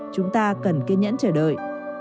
chúng ta cần kiên nhẫn chờ đợi